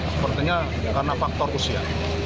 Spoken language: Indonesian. sepertinya karena faktor usia